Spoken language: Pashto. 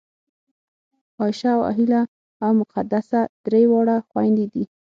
عایشه او هیله او مقدسه درې واړه خوېندې دي